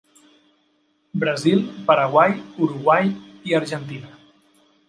Brasil, Paraguai, Uruguai i Argentina.